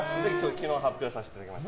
昨日発表させていただきました。